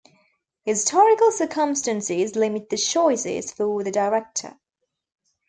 Historical circumstances limit the choices for the director.